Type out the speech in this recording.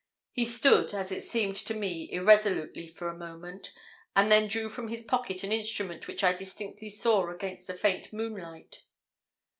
He stood, as it seemed to me irresolutely for a moment, and then drew from his pocket an instrument which I distinctly saw against the faint moonlight.